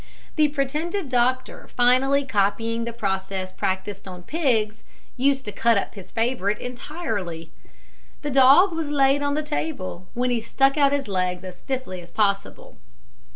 The pretended doctor, finally copying the process practised on pigs, used to cut up his favourite entirely. The dog was laid on the table, when he stuck out his legs as stiffly as possible.